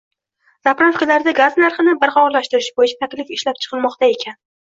“Zapravka”larda gaz narxini barqarorlashtirish boʻyicha taklif ishlab chiqilmoqda ekan.